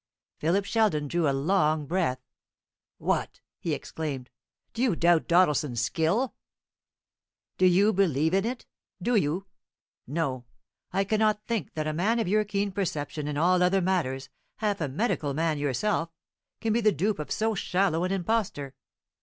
Philip Sheldon drew a long breath. "What!" he exclaimed; "do you doubt Doddleson's skill?" "Do you believe in it? Do you? No; I cannot think that a man of your keen perception in all other matters half a medical man yourself can be the dupe of so shallow an impostor.